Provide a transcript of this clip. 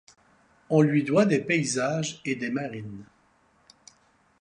On lui doit des paysages et des marines.